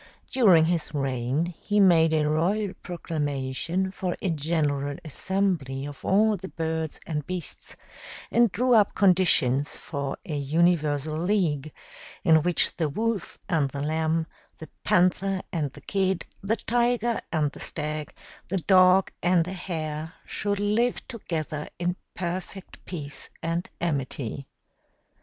During his reign he made a royal proclamation for a general assembly of all the birds and beasts, and drew up conditions for a universal league, in which the Wolf and the Lamb, the Panther and the Kid, the Tiger and the Stag, the Dog and the Hare, should live together in perfect peace and amity.